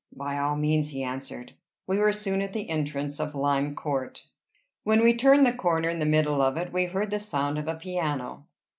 "By all means," he answered. We were soon at the entrance of Lime Court. When we turned the corner in the middle of it, we heard the sound of a piano.